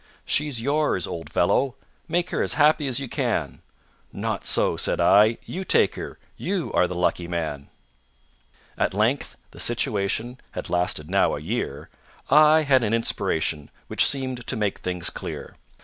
"She's yours, old fellow. Make her As happy as you can." "Not so," said I, "you take her You are the lucky man." At length the situation Had lasted now a year I had an inspiration, Which seemed to make things clear.